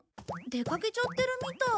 出かけちゃってるみたい。